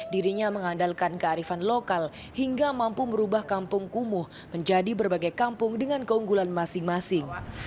dirinya mengandalkan kearifan lokal hingga mampu merubah kampung kumuh menjadi berbagai kampung dengan keunggulan masing masing